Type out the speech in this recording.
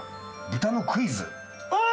豚のクイズ？あっ！